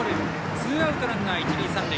ツーアウト、ランナー、一塁三塁。